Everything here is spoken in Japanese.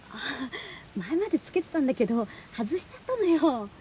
前まで付けてたんだけど外しちゃったのよ。